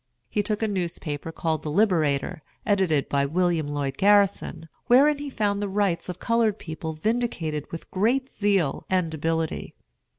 He took a newspaper called "The Liberator," edited by William Lloyd Garrison, wherein he found the rights of the colored people vindicated with great zeal and ability.